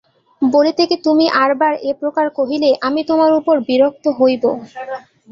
বলিতে কি তুমি আর বার এপ্রকার কহিলে আমি তোমার উপর বিরক্ত হইব।